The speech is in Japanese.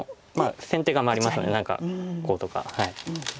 先手が回りますので何かこうとか。